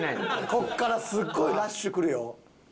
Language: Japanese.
ここからすごいラッシュくるよ。